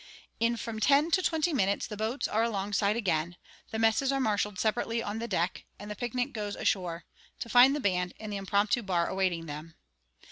In from ten to twenty minutes the boats are along side again, the messes are marshalled separately on the deck, and the picnic goes ashore, to find the band and the impromptu bar awaiting them.